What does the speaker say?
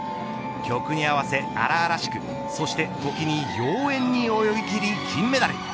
曲に合わせ荒々しくそして、ときに妖艶に踊り切り金メダル。